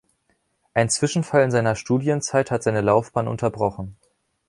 Ein Zwischenfall in seiner Studienzeit hat seine Laufbahn unterbrochen.